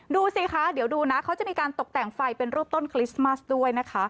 ดูสิคะเดี๋ยวดูนะเขาจะมีการตกแต่งไฟเป็นรูปต้นคริสต์มัสด้วยนะคะ